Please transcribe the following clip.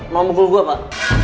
malah mukul gue pak